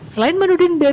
selain menuduhin bupati